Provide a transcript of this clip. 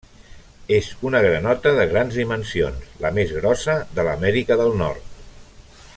És una granota de grans dimensions, la més grossa de l'Amèrica del Nord.